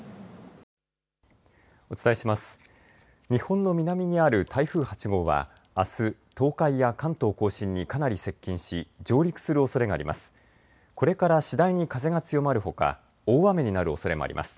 日本の南にある台風８号はあす東海や関東甲信にかなり接近し上陸するおそれがあります。